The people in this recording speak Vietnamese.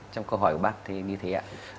trong câu hỏi của bác thì như thế ạ